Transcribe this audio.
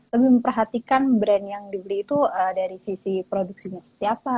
lebih memperhatikan brand yang dibeli itu dari sisi produksinya seperti apa